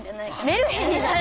メルヘンな。